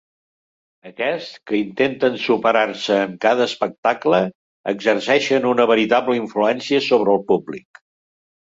Aquests, que intenten superar-se en cada espectacle, exerceixen una veritable influència sobre el públic.